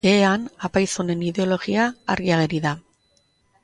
Behean, apaiz honen ideologia argi ageri da.